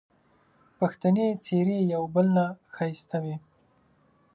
پښتني څېرې یو بل نه ښایسته وې